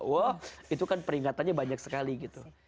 wah itu kan peringatannya banyak sekali gitu